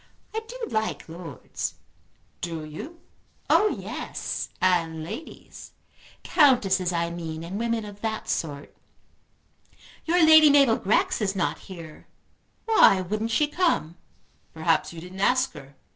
I do like lords." "Do you?" "Oh yes, and ladies; Countesses I mean and women of that sort. Your Lady Mabel Grex is not here. Why wouldn't she come?" "Perhaps you didn't ask her."